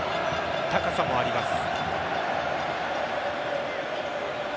高さもあります。